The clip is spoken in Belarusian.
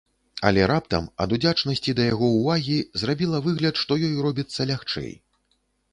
Але раптам, ад удзячнасці да яго ўвагі, зрабіла выгляд, што ёй робіцца лягчэй.